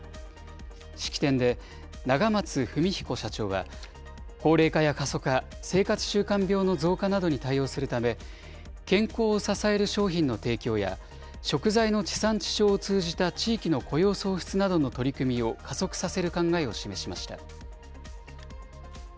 式典で、永松文彦社長は、高齢化や過疎化、生活習慣病の増加などに対応するため、健康を支える商品の提供や、食材の地産地消を通じた地域の雇用創出などの取り組みを加速させる考えを示しました。